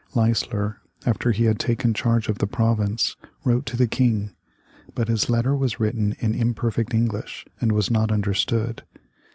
Leisler, after he had taken charge of the province, wrote to the King, but his letter was written in imperfect English and was not understood.